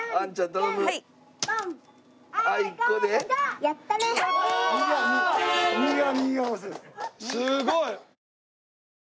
すごい！